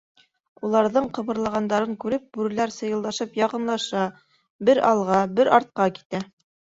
Уларҙың ҡыбырлағандарын күреп, бүреләр сыйылдашып яҡынлаша, бер алға, бер артҡа китә.